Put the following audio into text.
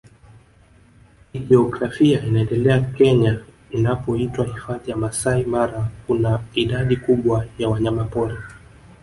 kijiografia inaendele Kenya inapoitwa Hifadhi ya Masai Mara Kuna idadi kubwa ya wanyamapori